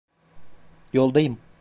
Yoldayım.